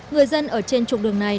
người dân ở trên trục đường này